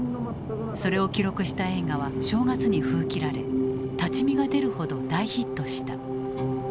それを記録した映画は正月に封切られ立ち見が出るほど大ヒットした。